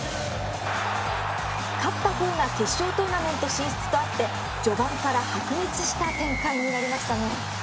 勝った方が決勝トーナメント進出とあって序盤から白熱した展開になりましたね。